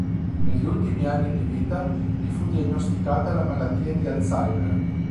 Negli ultimi anni di vita gli fu diagnosticata la malattia di Alzheimer.